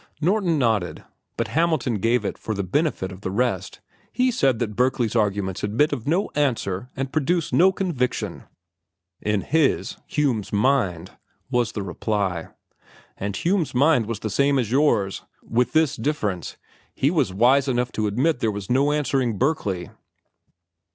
Norton nodded, but Hamilton gave it for the benefit of the rest. "He said that Berkeley's arguments admit of no answer and produce no conviction." "In his, Hume's, mind," was the reply. "And Hume's mind was the same as yours, with this difference: he was wise enough to admit there was no answering Berkeley."